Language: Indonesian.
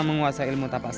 menguasai ilmu tapas hitam